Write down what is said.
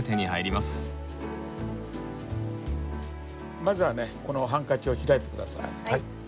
まずはねこのハンカチを開いて下さい。